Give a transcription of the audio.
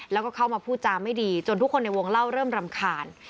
แล้วก็เข้ามาพูดจาไม่ดีจนทุกคนในวงเล่าเริ่มรำคาญ